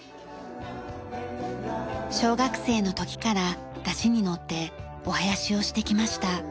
小学生の時から山車に乗ってお囃子をしてきました。